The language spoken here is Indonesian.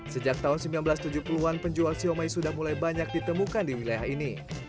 sejak tahun seribu sembilan ratus tujuh puluh an penjual siomay sudah mulai banyak ditemukan di wilayah ini